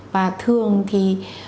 và thường thì